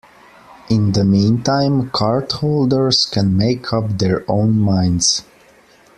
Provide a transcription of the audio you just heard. In the meantime, cardholders can make up their own minds.